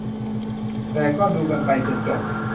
แต่ก็ดูกันไปจนจบ